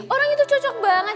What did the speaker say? orang itu cocok banget